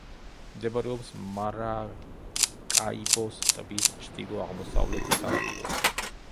მდებარეობს მარაკაიბოს ტბის ჩრდილო-აღმოსავლეთ სანაპიროზე.